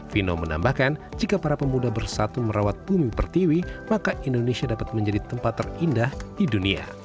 vino menambahkan jika para pemuda bersatu merawat bumi pertiwi maka indonesia dapat menjadi tempat terindah di dunia